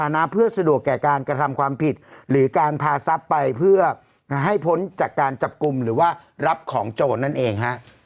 ก็ประมาณขยับตรงตรงมันขึ้นมานิดหนึ่ง